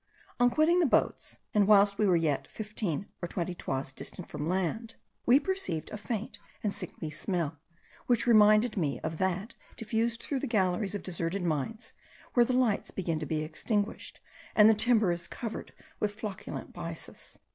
On quitting the boats, and whilst we were yet fifteen or twenty toises distant from land, we perceived a faint and sickly smell, which reminded me of that diffused through the galleries of deserted mines, where the lights begin to be extinguished, and the timber is covered with flocculent byssus.